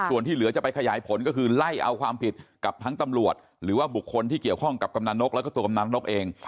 ส่วนที่เหลือจะไปขยายผลก็คือไล่เอาความผิดกับทั้งตำรวจหรือว่าบุคคลที่เกี่ยวข้องกับกำนันนกแล้วก็ตัวกำนันนกเอง